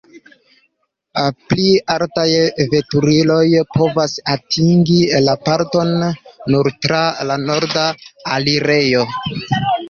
Pli altaj veturiloj povas atingi la parkon nur tra la norda alirejo.